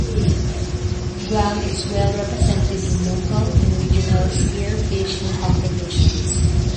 Guam is well represented in local and regional spearfishing competitions.